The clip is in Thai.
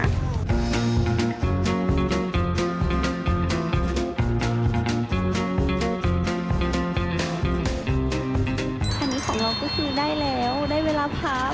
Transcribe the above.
อันนี้ของเราก็คือได้แล้วได้เวลาพัก